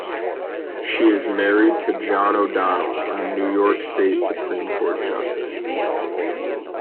She is married to John O'Donnell, a New York State Supreme Court Justice.